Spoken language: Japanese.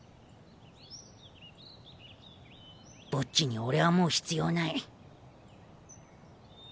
ボッジに俺はもう必要ない。